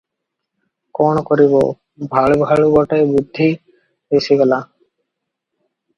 କଣ କରିବ, ଭାଳୁଁ ଭାଳୁଁ ଗୋଟାଏ ବୁଦ୍ଧି ଦିଶିଗଲା ।